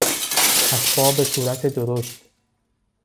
اسباب صورت درشت